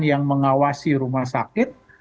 yang mengawasi rumah sakit